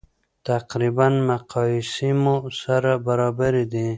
تقریبا مقایسې مو سره برابرې دي.